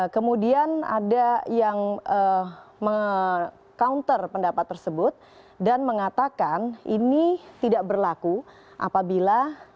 kemudian ada yang meng counter pendapat tersebut dan mengatakan ini tidak berlaku apabila